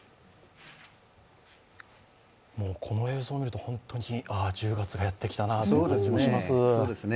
この映像を見ると１０月がやってきたという気がします。